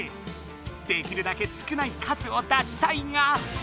できるだけ少ない数を出したいが。